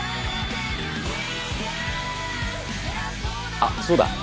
あっそうだ。